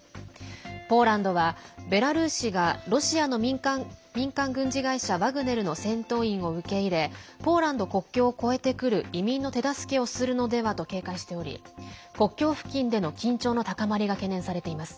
ポーランドはベラルーシがロシアの民間軍事会社ワグネルの戦闘員を受け入れポーランド国境を越えてくる移民の手助けをするのではと警戒しており国境付近での緊張の高まりが懸念されています。